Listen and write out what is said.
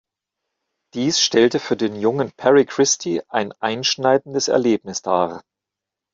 Dies stellte für den jungen Perry Christie ein einschneidendes Erlebnis dar.